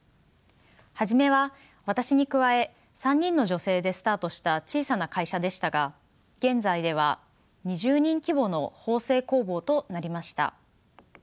初めは私に加え３人の女性でスタートした小さな会社でしたが現在では２０人規模の縫製工房となりました。